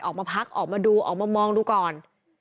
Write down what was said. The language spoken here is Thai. ออกมาพักออกมาดูออกมามองดูก่อน